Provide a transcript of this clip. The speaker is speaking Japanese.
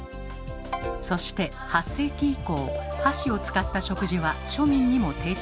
そして８世紀以降箸を使った食事は庶民にも定着。